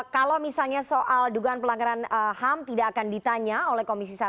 kalau misalnya soal dugaan pelanggaran ham tidak akan ditanya oleh komisi satu